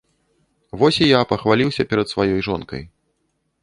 Вось і я пахваліўся перад сваёй жонкай.